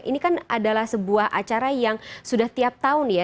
ini kan adalah sebuah acara yang sudah tiap tahun ya